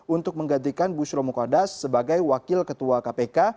untuk menggantikan bushromo kordas sebagai wakil ketua kpk